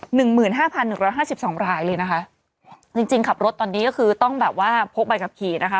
หนึ่งหมื่นห้าพันหนึ่งร้อยห้าสิบสองรายเลยนะคะจริงจริงขับรถตอนนี้ก็คือต้องแบบว่าพกใบขับขี่นะคะ